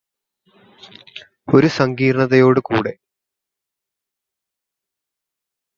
ഒരു സങ്കീർണതയോട് കൂടെ